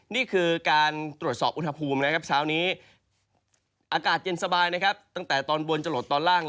นี่คือการตรวจสอบอุณหภูมินะครับเช้านี้อากาศเย็นสบายนะครับตั้งแต่ตอนบนจะหลดตอนล่าง